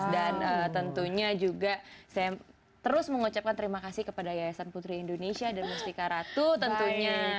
dan tentunya juga saya terus mengucapkan terima kasih kepada yayasan putri indonesia dan mesrika ratu tentunya